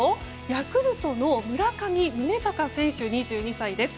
ヤクルトの村上宗隆選手２２歳です。